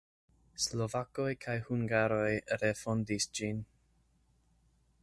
Slovakoj kaj hungaroj refondis ĝin.